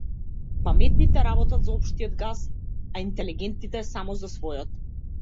Паметните работат за општиот газ, а интелегентните само за својот.